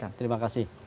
baik terima kasih